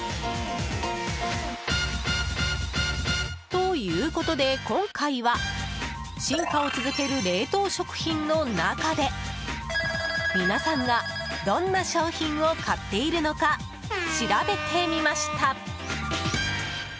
ということで、今回は進化を続ける冷凍食品の中で皆さんがどんな商品を買っているのか調べてみました。